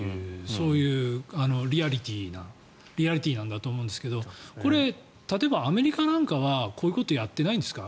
そういうリアリティーなんだと思うんですけどこれ、例えばアメリカなんかはこういうことをやっていないんですか。